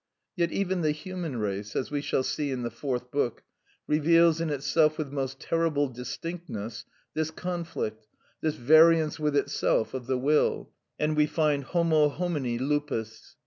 Yet even the human race, as we shall see in the Fourth Book, reveals in itself with most terrible distinctness this conflict, this variance with itself of the will, and we find homo homini lupus.